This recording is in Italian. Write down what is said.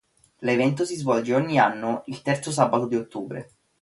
L'evento si svolge ogni anno il terzo sabato di ottobre.